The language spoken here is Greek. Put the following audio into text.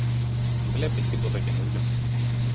Βλέπεις τίποτα καινούριο;